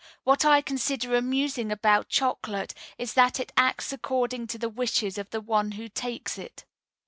What I consider amusing about chocolate is that it acts according to the wishes of the one who takes it."